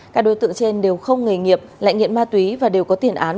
các đối tượng trên đều không nghề nghiệp lại nghiện ma túy và đều có tiền án